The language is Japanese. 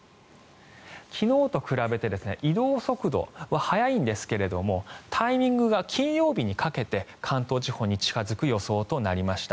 昨日と比べて移動速度は速いんですけれどもタイミングが金曜日にかけて関東地方に近付く予想となりました。